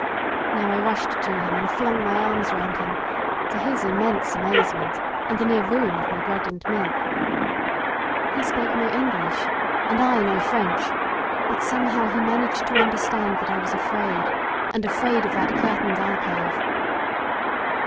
Now I rushed to him and flung my arms round him, to his immense amazement and the near ruin of my bread and milk. He spoke no English and I no French, but somehow he managed to understand that I was afraid, and afraid of that curtained alcove.